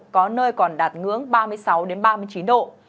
có nơi còn đạt ngưỡng ba mươi sáu ba mươi chín độ